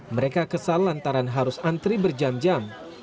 mereka kesal lantaran harus antri berjam jam